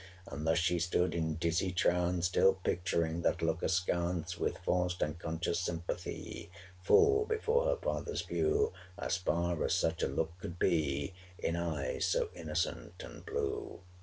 And thus she stood, in dizzy trance, Still picturing that look askance With forced unconscious sympathy Full before her father's view 610 As far as such a look could be In eyes so innocent and blue!